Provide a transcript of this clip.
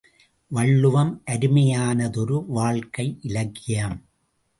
வள்ளுவம் அருமையானதொரு வாழ்க்கை இலக்கியம்.